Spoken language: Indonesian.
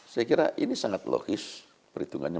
saya kira ini sangat logis perhitungannya